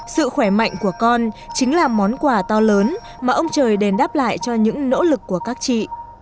sự khỏe mạnh của con chính là món quà to lớn mà ông trời đền đáp lại cho những nỗ lực của các chị